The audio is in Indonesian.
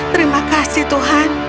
terima kasih tuhan